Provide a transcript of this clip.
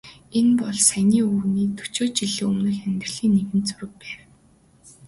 Энэ бол саяын өвгөний дөчөөд жилийн өмнөх амьдралын нэгэн зураг байв.